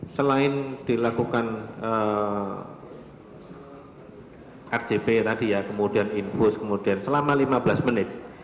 selain dilakukan rjp tadi ya kemudian infus kemudian selama lima belas menit